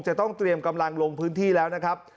จะต้องเตรียมกำลังลงพื้นที่แล้วนะครับ